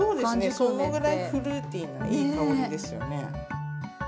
そのぐらいフルーティーないい香りですよね。